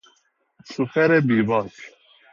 شوفر بیباک